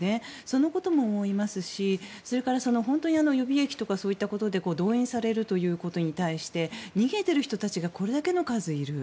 そのことも思いますしそれから予備役とかそういったことで動員されるということに対して逃げてる人たちがこれだけの数いる。